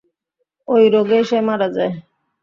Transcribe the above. ওই রোগেই সে মারা যায়।